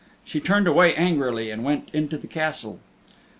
She turned away angrily and went into the Castle.